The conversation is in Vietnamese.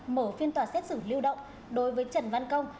mở phiên tòa xét xử lưu động đối với trần văn công